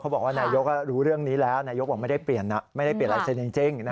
บอกว่านายกรู้เรื่องนี้แล้วนายกบอกไม่ได้เปลี่ยนลายเซ็นต์จริง